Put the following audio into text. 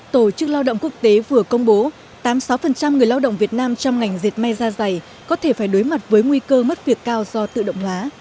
tổ chức lao động quốc tế vừa công bố tám mươi sáu người lao động việt nam trong ngành diệt may ra dày có thể phải đối mặt với nguy cơ mất việc cao do tự động hóa